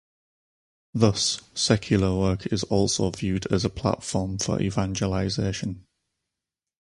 Thus, secular work is also viewed as a platform for evangelization.